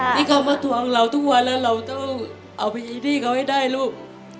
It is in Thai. ที่เขามาทวงเราทุกวันแล้วเราต้องเอาไปใช้หนี้เขาให้ได้ลูก